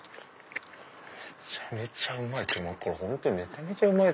めちゃめちゃうまい！